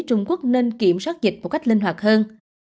trung quốc nên kiểm soát dịch một cách linh hoạt hơn